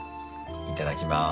いただきます。